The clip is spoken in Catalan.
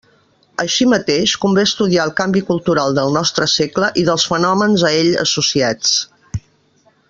Així mateix, convé estudiar el canvi cultural del nostre segle i dels fenòmens a ell associats.